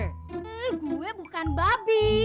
eh gue bukan babi